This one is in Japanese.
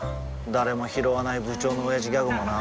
誰もひろわない部長のオヤジギャグもな